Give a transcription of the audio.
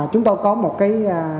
chúng tôi có một cái